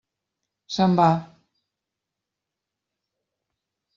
Se'n va.